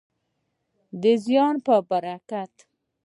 د زیار په برکت.